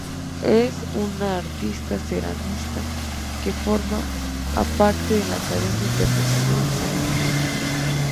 Es una artista ceramista que forma aparte de la Academia Internacional de Cerámica.